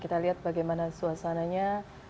kita lihat bagaimana suasananya